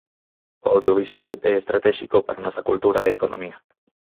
O audiovisual é estratéxico para a nosa cultura e economía.